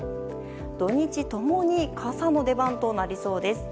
土日ともに傘の出番となりそうです。